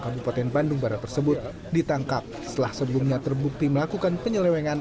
kabupaten bandung barat tersebut ditangkap setelah sebelumnya terbukti melakukan penyelewengan